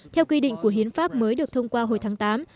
theo quy định của hiến pháp mới được thông qua hồi tháng tám